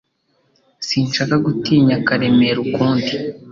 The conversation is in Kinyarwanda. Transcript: Sinshaka gutinya Karemera ukundi